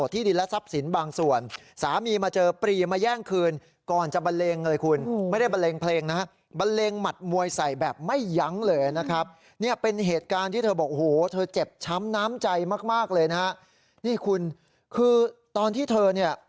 ที่เธอบอกโอ้โหเธอเจ็บช้ำน้ำใจมากเลยนะนี่คุณคือตอนที่เธอเนี่ย